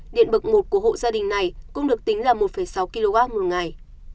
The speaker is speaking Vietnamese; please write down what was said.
điện bậc một của hộ gia đình này cũng được tính là một sáu kw một ngày